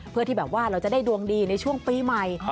เพื่อที่แบบว่าเราจะได้ดวงดีในช่วงปีใหม่